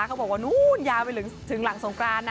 เขาบอกว่านู้นยาวไปถึงหลังสงกรานนะ